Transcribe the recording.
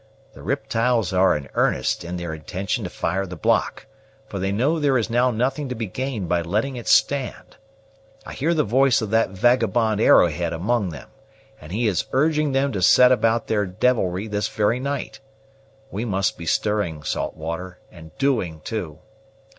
"The riptyles are in earnest in their intention to fire the block; for they know there is now nothing to be gained by letting it stand. I hear the voice of that vagabond Arrowhead among them, and he is urging them to set about their devilry this very night. We must be stirring, Saltwater, and doing too.